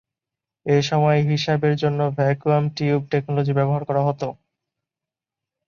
এ সময়ে হিসাবের জন্য ভ্যাকুয়াম টিউব টেকনোলজি ব্যবহার করা হতো।